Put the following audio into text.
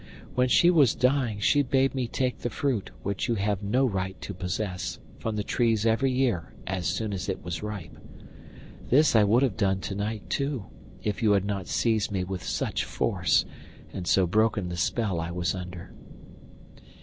When she was dying she bade me take the fruit, which you have no right to possess, from the trees every year as soon as it was ripe. This I would have done to night too, if you had not seized me with such force, and so broken the spell I was under.